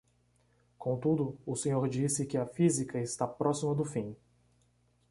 Contudo, o senhor disse que a física está “próxima do fim”